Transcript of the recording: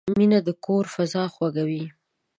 مینه د کور فضا خوږوي.